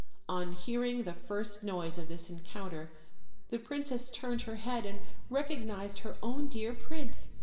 On hearing the first noise of this encounter, the princess turned her head and recognized her own dear prince.